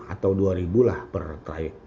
seribu atau dua ribu lah per traik